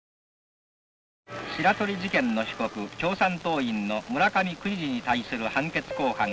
「白鳥事件の被告共産党員の村上国治に対する判決公判が」。